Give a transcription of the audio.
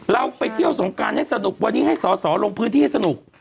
เราไปเที่ยวสงการให้สนุกวันนี้ให้สอสอลงพื้นที่ให้สนุก